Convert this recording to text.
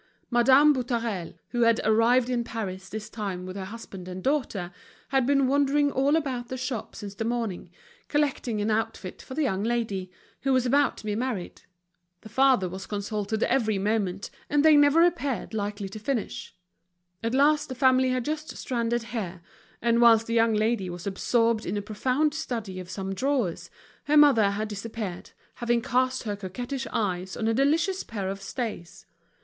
Madame Boutarel, who had arrived in Paris this time with her husband and daughter, had been wandering all about the shop since the morning collecting an outfit for the young lady, who was about to be married. The father was consulted every moment, and they never appeared likely to finish. At last the family had just stranded here; and whilst the young lady was absorbed in a profound study of some drawers, the mother had disappeared, having cast her coquettish eyes on a delicious pair of stays.